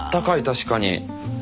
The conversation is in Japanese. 確かに。